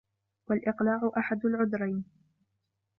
وَالْإِقْلَاعُ أَحَدُ الْعُذْرَيْنِ